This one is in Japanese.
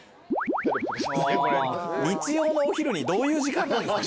日曜のお昼にどういう時間なんですか？